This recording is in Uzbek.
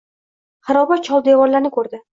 Xaroba-choldevor-larni ko‘rdi.